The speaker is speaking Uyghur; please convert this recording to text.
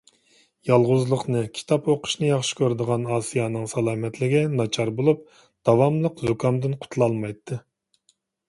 يالغۇزلۇقنى، كىتاب ئوقۇشنى ياخشى كۆرىدىغان ئاسىيەنىڭ سالامەتلىكى ناچار بولۇپ، داۋاملىق زۇكامدىن قۇتۇلالمايتتى.